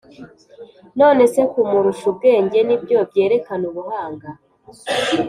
None se kumurusha ubwenge nibyo byerekana ubuhanga